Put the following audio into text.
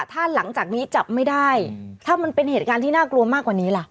ถ้าหลังจากนี้จับไม่ได้ถ้ามันเป็นเหตุการณ์ที่น่ากลัวมากกว่านี้ล่ะ